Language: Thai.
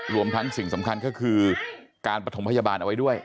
รวมทั้งสิ่งสำคัญก็คือการปฐมพยาบาลเอาไว้ด้วย